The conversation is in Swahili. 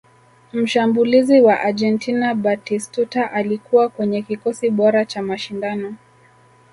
mshambulizi wa argentina batistuta alikuwa kwenye kikosi bora cha mashindano